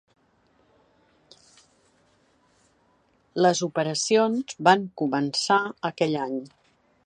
Les operacions van començar aquell any.